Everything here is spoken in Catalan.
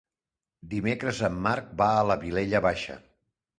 Dimecres en Marc va a la Vilella Baixa.